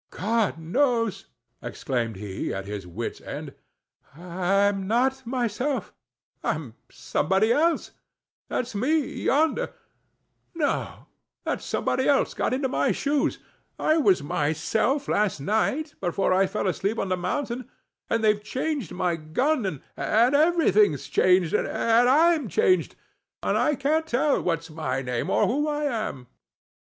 "God knows," exclaimed he, at his wit's end; "I'm not myself—I'm somebody else—that's me yonder—no[Pg 17]—that's somebody else got into my shoes—I was myself last night, but I fell asleep on the mountain, and they've changed my gun, and every thing's changed, and I'm changed, and I can't tell what's my name, or who I am!"